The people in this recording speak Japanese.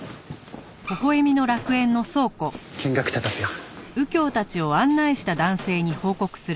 見学者たちが。